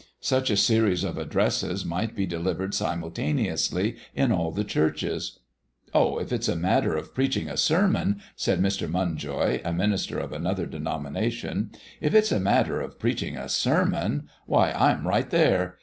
Such a series of addresses might be delivered simultaneously in all the churches. "Oh, if it's a matter of preaching a sermon," said Mr. Munjoy, a minister of another denomination "if it's a matter of preaching a sermon, why I'm right there.